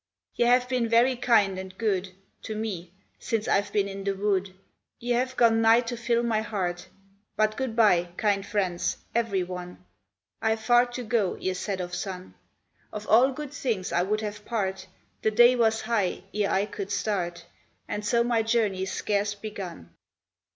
Ye have been very kind and good To me, since I've been in the wood; Ye have gone nigh to fill my heart; But good bye, kind friends, every one, I've far to go ere set of sun; Of all good things I would have part, The day was high ere I could start, And so my journey's scarce begun.